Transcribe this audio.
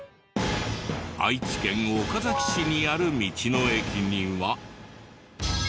愛知県岡崎市にある道の駅には。